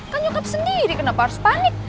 kan nyukap sendiri kenapa harus panik